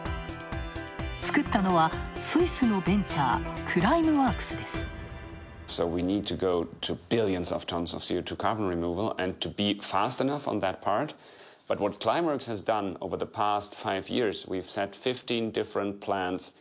作ったのはスイスのベンチャー、クライムワークス。